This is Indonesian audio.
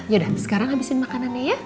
yaudah sekarang habisin makanannya ya